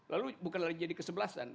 lalu bukan lagi jadi kesebelasan